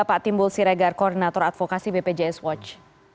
pak timbul siregar koordinator advokasi bpjs watch